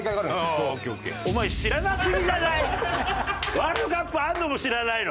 ワールドカップあるのも知らないの？